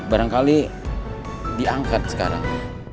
barangkali diangkat sekarang